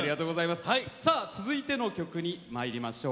続いての曲にまいりましょう。